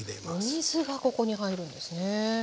お水がここに入るんですね。